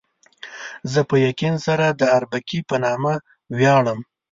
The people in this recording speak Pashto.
زه په یقین سره د اربکي په نامه ویاړم.